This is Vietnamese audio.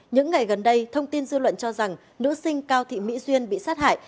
những ngày gần đây thông tin dư luận cho rằng nữ sinh cao thị mỹ duyên bị sát hại